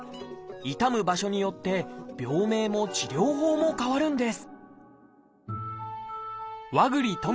痛む場所によって病名も治療法も変わるんです